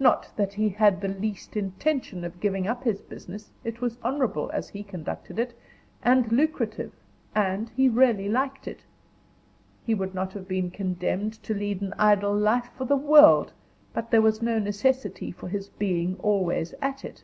Not that he had the least intention of giving up his business; it was honorable, as he conducted it, and lucrative, and he really liked it. He would not have been condemned to lead an idle life for the world; but there was no necessity for his being always at it.